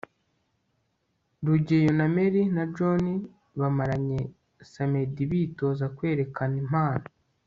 rugeyo, mary na john bamaranye samedi bitoza kwerekana impano